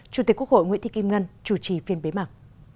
chủ tịch quốc hội nguyễn thị kim ngân chủ trì phiên bế mạc